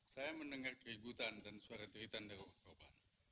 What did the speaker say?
saya mendengar keributan dan suara teritan dari rumah korban